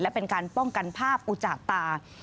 และเป็นการป้องกันภาพอุจากตา